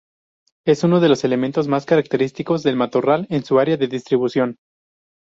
Es uno de los elementos más característicos del matorral en su área de distribución.